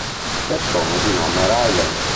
Persone di nome Ryan